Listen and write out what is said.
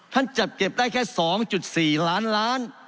จัดเก็บได้แค่๒๔ล้านล้าน